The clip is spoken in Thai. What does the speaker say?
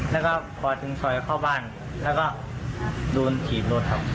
แล้วก็พอถึงซอยเข้าบ้านแล้วก็โดนถีบรถครับ